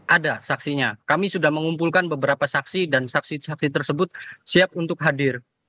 ada saksinya kami sudah mengumpulkan beberapa saksi dan saksi saksi tersebut siap untuk hadir